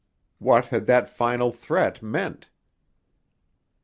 What had that final threat meant?